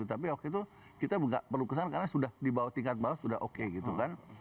tapi waktu itu kita nggak perlu kesana karena sudah di bawah tingkat bawah sudah oke gitu kan